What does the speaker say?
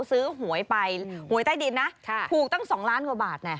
ซื้อหวยไปหวยใต้ดินนะค่ะถูกตั้งสองล้านกว่าบาทน่ะ